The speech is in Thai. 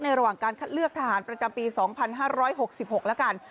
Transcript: ระหว่างการคัดเลือกทหารประจำปี๒๕๖๖แล้วกัน